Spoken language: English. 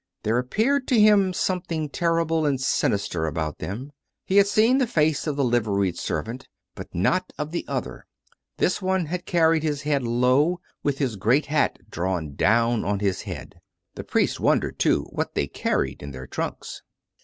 There appeared to him something terrible and sinister about them. He had seen the face of the liveried servant; but not of the other: this one had carried his head low, with his great hat drawn down on his head. The priest wondered, too, what they carried in their tronks.